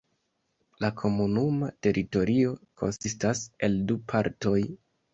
La komunuma teritorio konsistas el du partoj.